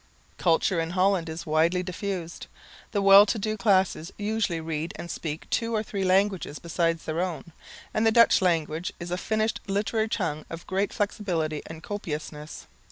Culture in Holland is widely diffused. The well to do classes usually read and speak two or three languages beside their own; and the Dutch language is a finished literary tongue of great flexibility and copiousness.